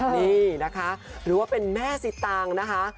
นี่นะคะหรือว่าเป็นแม่สิตางนะคะ